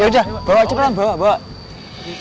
yaudah bawa cepetan bawa bawa